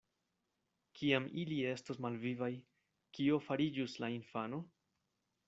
Kiam ili estos malvivaj, kio fariĝus la infano?